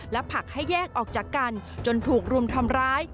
และผลักให้แยกออกจากกันจนถูกรุมทำร้าย